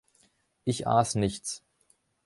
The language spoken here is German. Ich aß nichts.